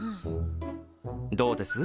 どうです？